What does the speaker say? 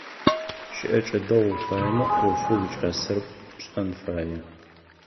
Щыӏэкӏэ дэгъу уфаемэ, ӏофэу уикӏасэр пшэн фае.